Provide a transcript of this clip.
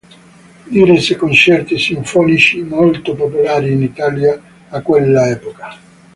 Diresse concerti sinfonici molto popolari in Italia a quell'epoca.